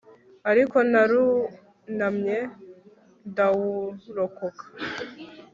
ariko narunamye ndawurokoka